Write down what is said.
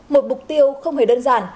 một mục tiêu không hề đơn giản